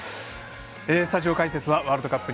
スタジオ解説はワールドカップ